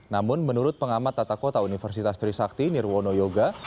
namun menurut pengamat tata kota universitas trisakti nirwono yoga